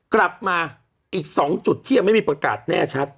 กลับมาอีก๒จุดที่ยังไม่มีประกาศแน่ชัด